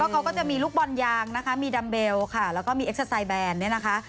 เขาก็จะมีลูกบอลยางนะคะมีดัมเบลค่ะแล้วก็มีเอ็กซาไซดแบนเนี่ยนะคะ